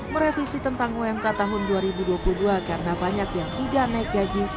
merevisi tentang umk tahun dua ribu dua puluh dua karena banyak yang tidak naik gaji